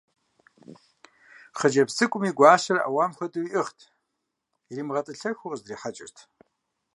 Хъыджэбз цӏыкӏум и гуащэр ӏэуам хуэдэу иӏыгът, иримыгъэтӏылъэху къыздрихьэкӏырт.